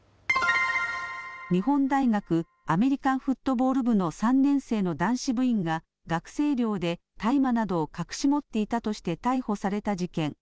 日本大学アメリカンフットボール部の３年生の男子部員が学生寮で大麻などを隠し持っていたとして逮捕された事件。